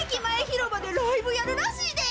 ひろばでライブやるらしいで！